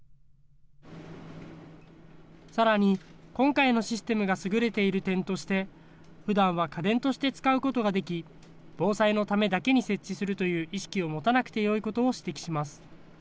さらに、今回のシステムが優れている点として、ふだんは家電として使うことができ、防災のためだけに設置するという意識を持たなくてよいことを指摘します。